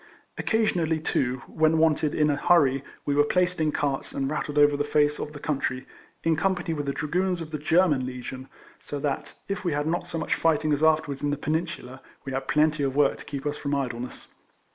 Occasionally, too, when wanted in a hurry, we were placed in carts, and rattled over the face of the coun 20 RECOLLECTIONS OF try, in company with the dragoons of the German Legion ; so that, if we had not so much fighting as afterwards in the Peninsu lar, we had plenty of work to keep us from idleness.